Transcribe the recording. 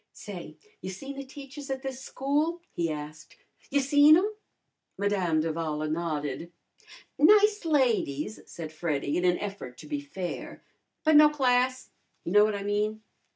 "Say, you seen the teachers at this school?" he asked. "You seen 'em?" Madame d'Avala nodded. "Nice ladies," said Freddy in an effort to be fair. "But no class you know what I mean.